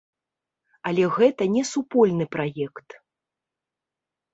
Але гэта не супольны праект.